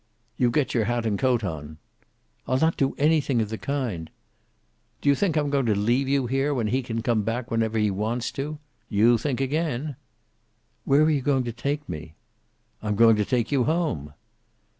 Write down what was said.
"You get your hat and coat on." "I'll not do anything of the kind." "D'you think I'm going to leave you here, where he can come back whenever he wants to? You think again!" "Where are you going to take me?" "I'm going to take you home."